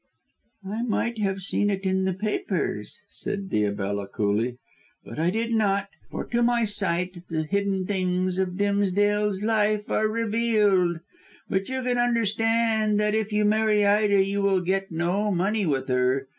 "I might have seen it in the papers," said Diabella coolly; "but I did not, for to my sight the hidden things of Dimsdale's life are revealed. But you can understand that if you marry Ida you will get no money with her.